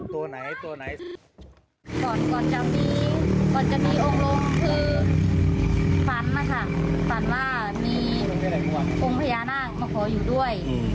ก่อนจะมีองค์ลงคือฝันนะคะฝันว่ามีองค์พญานนักมาขออยู่ด้วย